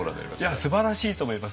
いやすばらしいと思います。